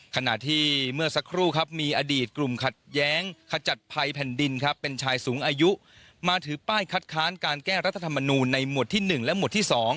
ขณะที่เมื่อสักครู่ครับมีอดีตกลุ่มขัดแย้งขจัดภัยแผ่นดินครับเป็นชายสูงอายุมาถือป้ายคัดค้านการแก้รัฐธรรมนูลในหมวดที่๑และหมวดที่๒